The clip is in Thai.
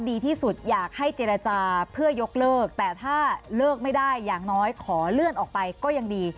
ดีที่สุดอยากให้เจรจาเพื่อยกเลิกแต่ถ้าเลิกไม่ได้อย่างน้อยขอเลื่อนออกไปก็ยังดี